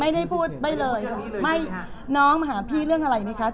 ไม่ได้พูดไม่เลยไม่น้องมาหาพี่เรื่องอะไรไหมคะ